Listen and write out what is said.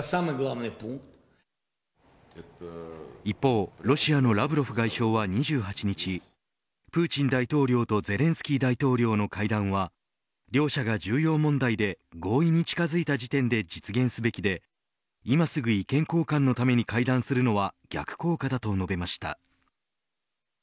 一方、ロシアのラブロフ外相は２８日プーチン大統領とゼレンスキー大統領の会談は両者が重要問題で合意に近づいた時点で実現すべきで今すぐ意見交換のために会談するのは逆効果だと述べました。